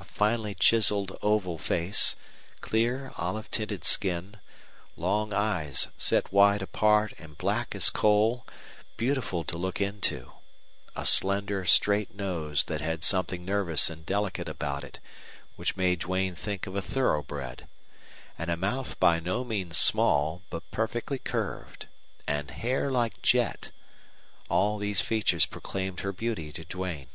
A finely chiseled oval face; clear, olive tinted skin, long eyes set wide apart and black as coal, beautiful to look into; a slender, straight nose that had something nervous and delicate about it which made Duane think of a thoroughbred; and a mouth by no means small, but perfectly curved; and hair like jet all these features proclaimed her beauty to Duane.